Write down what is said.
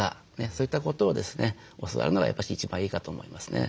そういったことをですね教わるのがやっぱし一番いいかと思いますね。